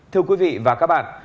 thưa quý vị và các bạn